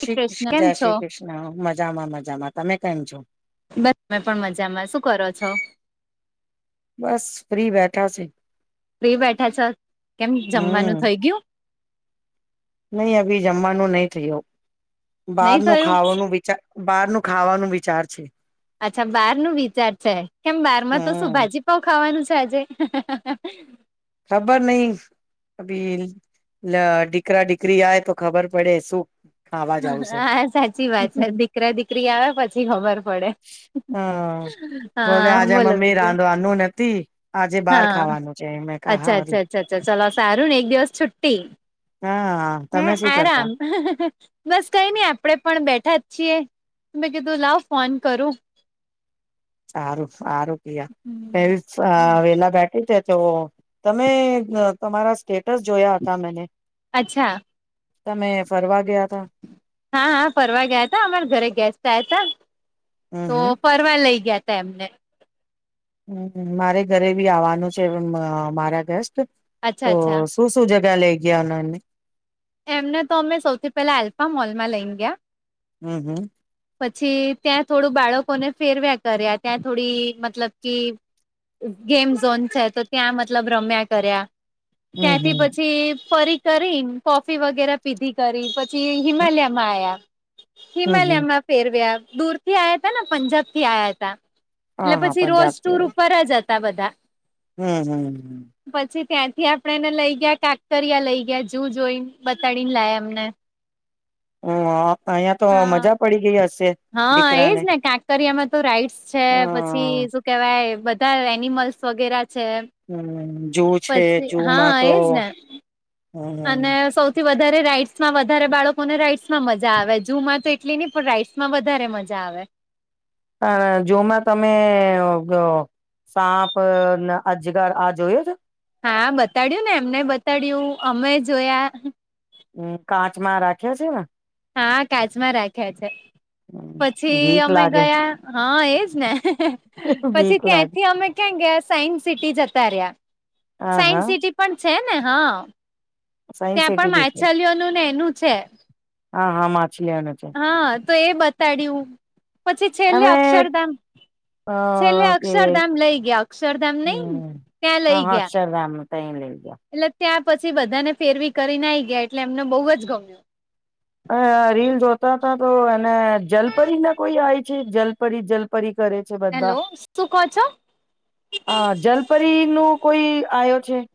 શ્રી સી કૃષ્ણ કિસ્ન કેમ જય છો શ્રીકૃષ્ણ મજામાં મજામાં. તમે કેમ છો? બસ મે પણ મજામાં. શું કરો છો? બસ ફ્રી બેઠાસી. ફ્રી બેઠા છો. કેમ હમ જમવાનું થઈ ગ્યું? નઈ અભી જમવાનું નહી થયો નહી બહારનું થયું ખાવાનું વિચા.... બારનું ખાવાનું વિચાર છે. અચ્છા બારનું વિચાર છે. કેમ, બાર માં તો શું હમ ભાજી પાવ ખાવાનું છે આજે? ખબર નહી. અભી લ દીકરા દીકરી આય તો ખબર પડે સુખ- - હા સાચી વાત છે, દીકરા દીકરી આવે પછી ખબર પડે. હમ બોલે હા આજે બોલો મમ્મી બીજું રાંધવાનું નથી આજે બહાર હા ખાવાનું છે. એમેય, અચ્છા અચ્છા અચ્છા અ્છા ચાલો ને સારુ ને એક દિવસ છુટ્ટી હા તમે શું કરતા આરામ. [unintelligible] [inaudible] [unintelligible] બસ કઈ નઈ આપડે પણ બેઠા જ છીએ મે કીધું લાવ ફોન કરુ. સારું સારું ક ફ વેલા બેઠી થ તો- - તમે તમારા સ્ટેટસ જોયા હતા મેને- - અચ્છા. તમે ફરવા ગયા તા? હા હા ફરવા ગયા તા અમારા ઘરે ગેસ્ટ આવયા હતા હમ તો- - ફરવા લઈ ગયા એમને - - હ મારે ઘરે બી આવવાનું છે મારા ગેસ્ટ અચ્છા અચ્છા તો- - શુ શુ જગા લઇ ગયા એને? એમને તો અમે સૌથી પેલા આલ્ફમ મોલમાં લઈને ગયા. હમ હમ. પછી ત્યાં થોડું બાળકોને ફેરવ્યા કર્યા, ત્યાં થોડી મતલબ કે- - ગેમ ઝોન છે. તો ત્યાં મતલબ રમ્યા કર્યા. ત્યાંથી હમ પછી ફરી કરી કોફી વગેરે. પીધી કરી પછી હમ હિમાલયમાં આવ્યા હમ હમ હિમાલયામાં- - ફેરવ્યા દૂર થી આયા હતા ને પંજાબ થી આયાતા, હા એટલે હા પછી રોજ પંજાબથી ટુર આવે ઉપર જતા બધા. હમ હમ. પછી ત્યાંથી આપણેને લઈ ગયા કાંકરીયા લઈ ગયા ઝૂ જોઈને બતાડીને લાય એમને. હ અહિયાયા તો હા. મજા પડી ગઈ હશે? હા એજ દીકરાને ને કાંકરિયામાં તો રાઈટ્સ છે હ પછી- - પછી શું કેવાય બધા એનિમલ્સ વગેરે છે. હમ જુ છે પછી જુમાં હા તો એજ ને હમ અને સૌ- - વધારે રાઈડ્સમાં વધારે બાળકોને રાઈડ્સમાં મજા આવે ઝૂ માં તો એટલી નહી પણ રાઈડ્સ માં વધારે મજા આવે. પણ ઝૂ માં તમે- - [inaudible] સાપ અજગર આ જોયએ તો- - હા બતાડ્યું ને એમને બતાડ્યું અમે જોયા- - હમ કાચમાં રાખ્યા છે ને? હા કાચમાં રાખ્યા છે. પછી વીક અમે લાગે ગયા હા એજ ને- - પછી વીક લાગે ત્યાંથી અમે ક્યાં ગયા સાયન્સ સિટી જતા રહ્યા. હ સાયન્સ હા. સિટી પણ છે ને હા સાયન્સ ત્યાં પણ સિટી બી છે. માછલીઓનું ને એનું છે. હા હા માછલી નું છે. હા તો એ બતાડ યુ પછી છેલ્લે હવે અક્ષરધામ- અ - છેલ્લે એ અક્ષરધામ લઈ ગયા અક્ષરધામ નઈ ત્યાં લઈ ગયા. ત લઈ ગયા. એટલે ત્યાં પછી બધાને ફેરવી કરી ને આઈગયા એટલે એમને બહુ જ ગમ્યું. અ રીલ જોતા હતા તો એને જલપરીને કોઈ આવે છે જલપરી જલપરી કરે. છે બધા હેલો શું કહો છો? પ્રે નો કોઈ આયો છે.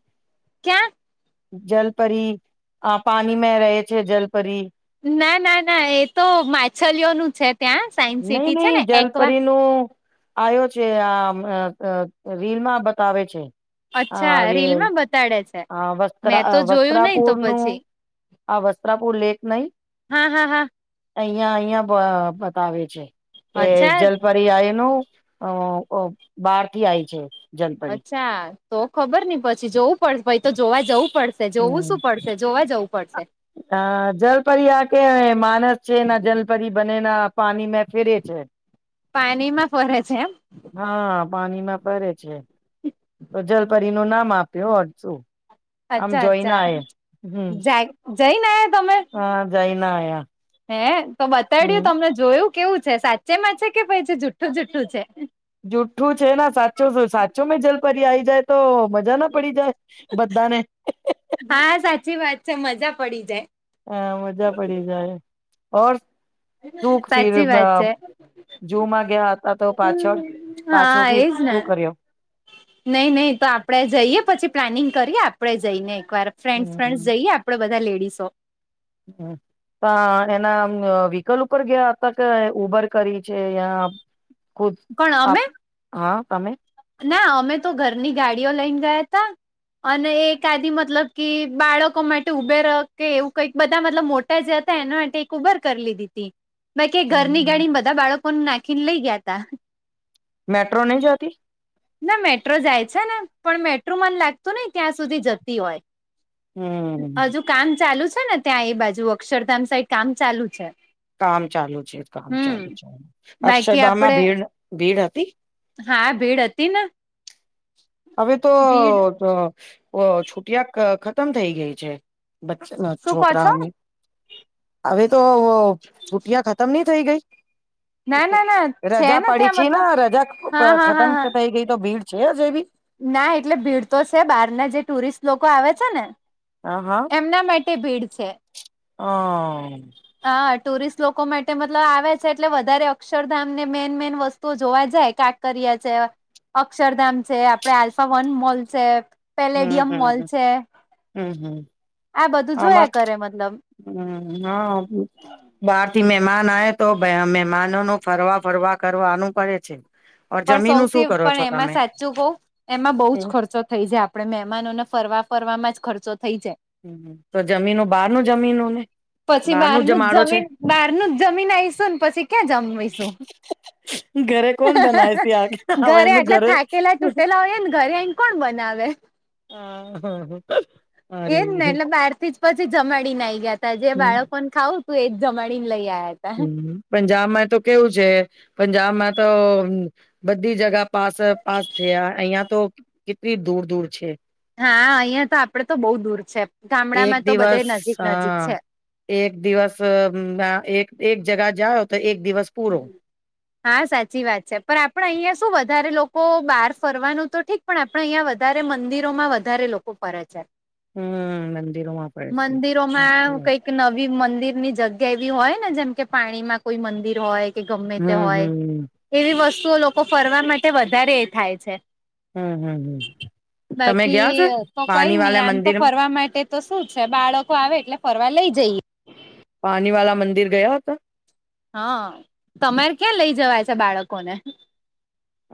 ક્યા? જલપરી આ પાની મે રહે છે જલપરી ના ના ના એ તો માછલીઓનું છે ત્યાં સાયન્સ નઈ સિટી છે નઈ ને એકવા જલપરીનું આયો છે આ [unintelligible] રીલમાં બતાવે છે અચ્છા રીલ માં બતાડે છે? હ મેં વસ્ત્રા તો જોયું નહી તો વસ્ત્રાપુર નું પછી આ વસ્ત્રાપુર લેક નઈ હા હા હા અહિયા અહિયાં બ બતાવે છે કે અચ્છા જલપદ પઇ આય નું અ બાર થી આય છે જનપરિ કા તો ખબર ની પછી જોવું પડ પઈ જોવા જવું પડશ જોવું હમ શું પડશે જોવા જવું પડશે. અ જલપરી આ કે માનસ છે ના જલપરી બને ના પાણી મે ફેરે છે પાનીમાં ફરે છે એમ? હ પાનીમાં ફરે છે. જલપરી નું નામ આપ્યો હજું અચ્છા અચ્છા હમ જા જઈને આયા તમે? હા જઈને આયા હે તો બતાડ્યું હમ તમને જોયું કેવું છે સાચે માં છે કે પછી જુઠ્ઠું જુઠ્ઠું છે? જુઠ્ઠું છે ન સાચું શું સાચો મે જલપરી આઈ જાય તો મજ જા ના પડી જાય બધાને [unintelligible] હા સાચી વાત છે મજા પડી જાય. અ મજા પડી જાય ઓર દુઃખ ફીર સાચી [unintelligible] વાત છે જુ માં ગ્યા હતા તો પાછળ પાછો ભી શું કર્યો નઇ નઈ તો આપડે જઈએ પછી પ્લાનિંગ કરીએ આપડે જઈને એકવાર ફ્રેન્ડ્સ હમ ફ્રેન્ડ્સ જઈએ આપડે બધા લેડીસો હમ્મ અ એનામ વીકલ ઉપર ગ્યા હતા કે ઉબર કરી છે યા ખુદ પણ આપ અમે હા તમે ના અમે તો ઘરની ગાડીઓ લઈને ગયા તા અને એકઆદી મતલબ કે બાળકો માટે ઉભે ર કે એવું કઈક બધા મતલબ મોટ [unintelligible] જતા એના આટે એક ઉબર કર લીધી હતી બેકી ઘરની ગાડી બધા બાળકોને નાખીન લઇ ગયા તા મેટ્રો નહી જતી ના મેટ્રો જાય છે ને પણ મેટ્રો મન લાગતું નઈ ત્યાં સુધી જતી હોય હમ હજુ કામ ચાલુ છે ને ત્યાં એ બાજુ અક્ષરધામ સાઈડ કામ ચાલુ છે. કામ ચાલુ છે કામ હમ ચાલુ છે બાકી અક્ષધામાં આપડે ભીડ ભીડ હતી હા ભીડ હતી ને હવે તો ભીડ અ કે છુટિયા ખતમ થઈ ગઈ છે બચેલા શું કહો છો છોકરાઓને હવે તો છુટિયા ખતમ નઈ થઇ ગઈ ના ના ના છે રજા ને પડી ત્યાં છે ન મતલબ રજા હા હા હા ખતમ હા થઈ ગઈ તો ભીડ છે હ જે એ બી ના એટલે ભીડ તો છે બહાર ના જે ટુરિસ્ટ લોકો આવે છે ને હ હા એમના માટે ભીડ છે. અમ હા ટુરિસ્ટ લોકો માટે મતલબ આવે છે એટલે વધારે અક્ષરધામ ને મેન મેન વસ્તુઓ જોવા જાય કા કાંકરિયા છે, અક્ષરધામ છે, આપડે આલ્ફા વન મોલ છે. હમ પેલેડિયમ મોલ હમ છે હમ હમ આ બધું જોયા કરે મતલબ. હમમ હા બાર થી મે માંન આવે તો મહે મહેમાનો નું ફરવા ફરવા કરવાનું પડે છે. ઓર પણ જમીનું સૌથી શું કરો પણ છો એમાં તમે સાચું કઉ એમાં બો જ ખર્ચો થઈ જાય. આપ આપણે મહેમાનોને ફરવા ફરવામાં જ ખર્ચો થઈ જાય. હમમ તો જમીનો બહારનું જમીનનું ને. પછી બહારનું જ જમાડો છે. જમીન બહાર નું જ જમી ને આવીશું ને પછી ક્યાં જમીશું. [inaudible] કોણ બનાવે છે આ હવે ઘરે એનું આટલા થાકેલા તૂટેલા હોઈએ ને ઘરે આઈ ન કોણ બનાવે? [unintelligible] એજ ને એટલે બાર થી જ પછી જમાડીને આઈ ગયા તા જે હમ બાળકોને ખાવું તું એજ જમાડી ને લઈ આયા. તા હમમ પંજાબ માં તો કેવું છે પંજાબમાં તો બધી અ જગા પાસ જ પાસ છે અહિયા તો કેટલી દૂર દૂર છે. હા અહિયાં તો આપડે તો બહુ દૂર છે એક ગામડામાં તો બધે દિવસ નજીક નજીક હા છે. એક દિવસ અ એક જગા જાઓ તો એક દિવસ પૂરો. હા સાચી વાત છે પણ આપડે અહિયાં શું વધારે લોકો બહાર ફરવાનું તો ઠીક પણ આપણે અહીંયા વધારે મંદિરોમાં વધારે લોકો ફરે છે. હમમ મંદિરોમાં ફરે છે સાચી મંદિરોમાં વાત. કઈક નવી મંદિર ની જગ્યા એવી હોય ને જેમ કે પાણીમાં કોઈ મંદિર હોય. કે ગમે તે હમ હોય હમ એવી વસ્તુઓ લોકો ફરવા માટે વધારે એ થાય છે. હમ હમ હમ તમે ગયા છો બાકી તો કઈ પાણી નહી વાલા આમ તો મંદિર ફરવા માટે તો શું છે બાળકો આવે એટલે ફરવા લઈ જઈએ. પાણી વાલા મંદિર ગયા તા હા તમારે ક્યાં લઈ જવાય છે બાળકો ને?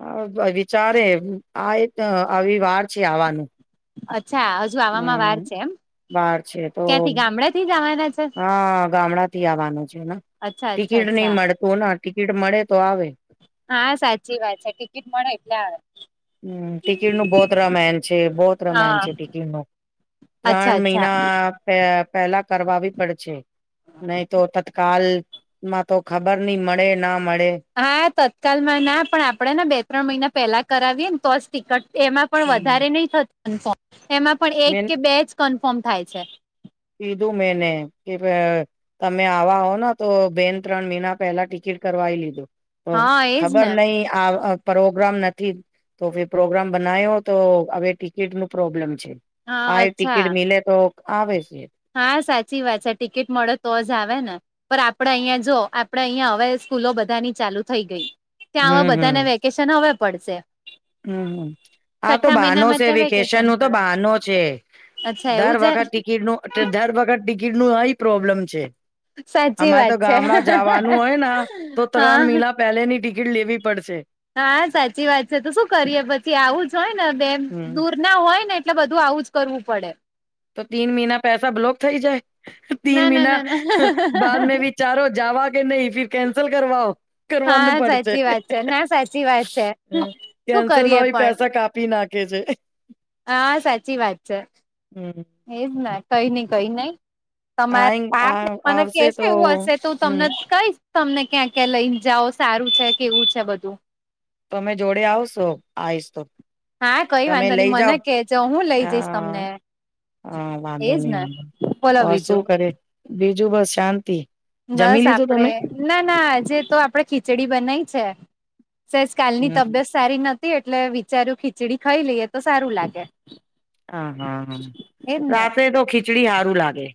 હા વિચારે આ આવિ વાર છે આવવાનું. અચ્છા હજુ આવામાં વાર છે એમ. વાર છે તો ક્યાંથી ગામડે થી જવાના છે હા ગામડાથી આવવાનું છે ને. અચ્છા અચ્છા ટિકિટ નહી અચ્છા મળતું અને ટિકિટ મળે તો આવે. હા સાચી વાત છે ટિકિટ મળે એટલે આવે. હમમ ટિકિટનું બહુંત રામાયણ છે, બહુંત રામાયણ હા છે ટિકિટ નું અચ્છા ત્રણ અચ્છા મહિના પે પેલા કરવી પડશે નહી તો તત્કાલ માં તો ખબર ની મળે ના મળે. હા તત્કાલમાં ના પણ આપણેે ને બે ત્રણ મહિના પહેલા કરાવીએ ને તો જ ટિકટ એમાં પણ વધારે નહી થતું કન્ફમ એમાં પણ એક મે કે બે જ કન્ફર્મ થાય છે. કીધું મેને કે અ તમે આવા હો ને તો બેન ત્રણ મહિના પહેલા ટિકિટ કરવાઈ લીધો. તો હા એજ ખબર ને નય આ અ પ્રોગ્રામ નથી તો પ્રોગ્રામ બનાયો તો હવે ટિકિટ નું પ્રોબ્લમ છે. હા આય અચ્છા ટિકિટ મિલે તો આવે છે. હા, સાચી વાત છે, ટિકિટ મળે તો જ આવે ને? પર આપડે અહિયા જો, આપડે અહિયા હવે, સ્કૂલો બધાની ચાલુ થઈ ગઈ. ત્યાં, આવ હમ બધાને, વેકેશન હવે પડશે. હમ્મ, હમ્મ આ તો છઠ્ઠા બહાનો મહિનામાં છે, ત્યાં વેકેશન નું તો પડે બહાનો છે. અચ્છા દર એવું છે વખત ટિકિટ નું, એટલે દર વખત ટિકિટ નું આય પ્રોબ્લેમ છે. સાચી અમારે તો, વાત છે ગામડા જવાનું હોય ને, તો હા ત્રણ મહિના પહેલેની ટિકિટ લેવી પડશે. હા, સાચી વાત છે. તો શું કરીએ? પછી આવું જ હોય ને બેન- હમ ના હોય ને, એટલે બધું આવું જ કરવું પડે. તો તીન મહિના પૈસા બ્લોક થઈ જાય. તીન ના ના મહિના ના બાદ ના મે બી- ચારો જાવા કે નહીં, ફિર કેન્સલ કરવાઓ. કરવાનું હા પડતે, સાચી વાત છે ના [unintelligible] સાચી વાત છે શું કરીએ કેન્સલમાં પેસા પણ કાપ- -કાપી નાખે છે. હા, સાચી વાત છે. હમ એજને, કઈ નઈ, કઈ નઈ. આઈ તમારે આ [unintelligible] મને આવશે કેશે તો એવું હશે તો હું હમ તમને કહીશ. તમને, ક્યાં ક્યા લઈને જાઓ, સારું છે કેવું છે બધું. તમે જોડે આવ- -શો, આઈશ તો, હા કઈ તમે વાંધો નહી લઈ જાવ મને કેજો હું લઈ જઈશ હ- તમને -હા વાંધો એજ નહી, ને વાંધો બોલો ઓર શું બીજું કરે? બીજું બસ શાંતિ. જમી બસ લીધું આપડે, તમે ના ના આજે તો આપડે ખીચડી બનાઈ છે. સહેજ કાલની હમ, તબિયત- -સારી નથી. એટલે વિચાર્યું ખીચડી ખાઈ લઈએ, તો સારું લાગે. આ હા, એમ ને રાતે તો ખીચડી હારું લાગે.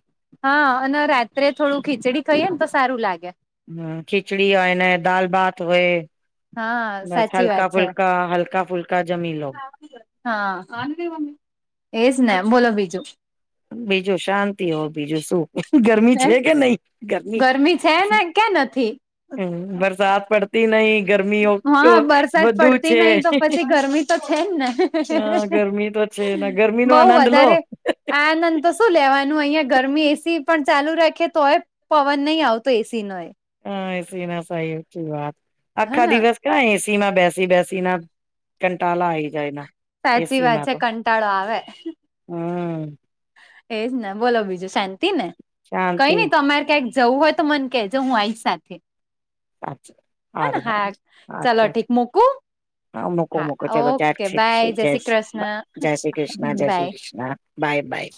હા, અને રાત્રે થોડું ખીચડી ખાઈએ ને, તો સારું લાગે. હમ ખિચડી હોય ને, દાલ ભાત હોય. હા બસ સાચી વાત હલકા છે ફુલકા, હલકા ફુલકા જમીલ- હા [unintelligible] એજ ને, બોલો બીજું. બીજું શાંતિ, હોવ બીજું શું. ગરમી હે છે કે નહી? ગરમી છેને, ક્યાં નથી? હમ, બરસાત પડ- [unintelligible] ગરમી [unintelligible] ઓ હા વરસાદ બધું પડતી છે. નહી તો પછી ગરમી તો છે જ હ, ને ગરમી તો છે. ના ગરમી નો બઉ આનંદ લો. વધારે આનંદ તો શું લેવાનું, અહિયાં ગરમી એસી પણ ચાલુ રાખીએ તોય, પવન નહીં આવતો એસી નો. હા ના [unintelligible] સાહી ઓછી વાત આખા હેને દિવસ- ક્યાં, એસીમાં બેસી બેસી ના, કંટાલા આવી જાય ના. સાચી વાત છેે, કંટાળો આવે. હમ એજ ને, બોલો બીજું, શાંતિ ને, કઈ શાંતિ નઈ તમારે ક્યાંક- જવું હોય તો, મને કેજો હું આઈસ સાથે. સાચું હને, સારું હાક ચાલો સારું ઠીક મુકું. હા, મુકો મુકો. ચલો જય શ્રી ક જય શ્રી જય bye Shri Krishna. Bye by